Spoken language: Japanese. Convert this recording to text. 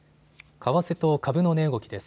為替と株の値動きです。